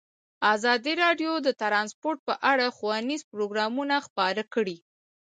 ازادي راډیو د ترانسپورټ په اړه ښوونیز پروګرامونه خپاره کړي.